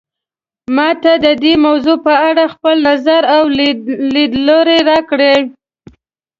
ما ته د دې موضوع په اړه خپل نظر او لیدلوری راکړئ